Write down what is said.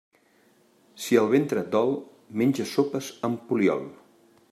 Si el ventre et dol, menja sopes amb poliol.